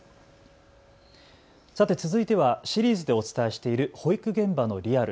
さて続いてはシリーズでお伝えしている保育現場のリアル。